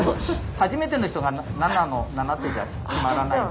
初めての人が７の７手じゃ決まらないので。